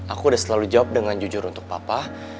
aku udah selalu jawab dengan jujur untuk papa